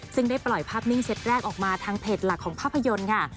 ซึ่งได้ปล่อยภาพนิ่งเซ็ตแรกออกมาทางเพจหลักของภาพยนตร์ค่ะ